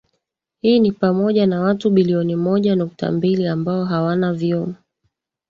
Hii ni pamoja na watu bilioni moja nukta mbili ambao hawana vyoo